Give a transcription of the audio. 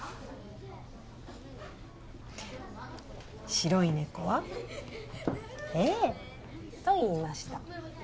「白いねこはええといいました」